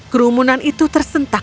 kerumunan itu tersentak